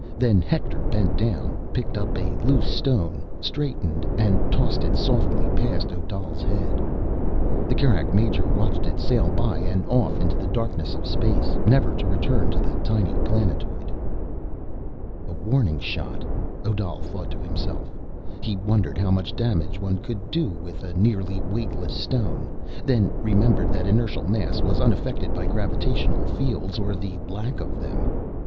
Then Hector bent down, picked up a loose stone, straightened, and tossed it softly past Odal's head. The Kerak major watched it sail by and off into the darkness of space, never to return to the tiny planetoid. A warning shot, Odal thought to himself. He wondered how much damage one could do with a nearly weightless stone, then remembered that inertial mass was unaffected by gravitational fields, or lack of them.